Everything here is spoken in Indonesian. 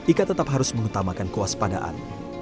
ika tetap harus mengutamakan kewaspadaan